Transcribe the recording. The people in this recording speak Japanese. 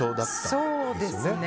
そうですね。